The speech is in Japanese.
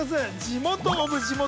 地元オブ地元。